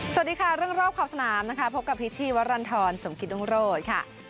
สวัสดีค่ะเรื่องรอบความสนามนะคะพบกับพิธีวัตรรันทรสมกิษโรงโลศิค่ะ